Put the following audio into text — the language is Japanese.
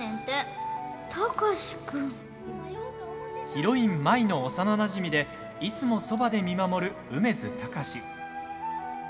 ヒロイン・舞の幼なじみでいつもそばで見守る梅津貴司。